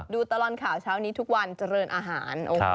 ดูตลอดข่าวเช้านี้ทุกวันเจริญอาหาร